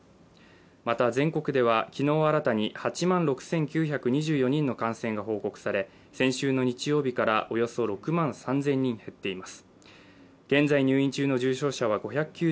また全国では、昨日新たに８万６９２４人の感染が報告され、先週の日曜日からおよそ６万３０００人減っています。